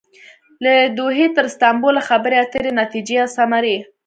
له دوحې تر استانبوله خبرې اترې ،نتیجې او ثمرې